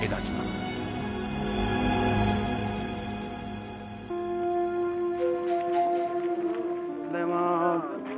おはようございます。